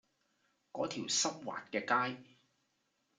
嗰條濕滑嘅街